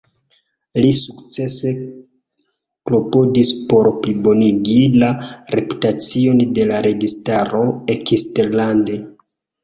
Li sukcese klopodis por plibonigi la reputacion de la registaro eksterlande.